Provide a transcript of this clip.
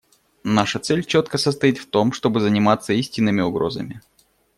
Наша цель четко состоит в том, чтобы заниматься истинными угрозами.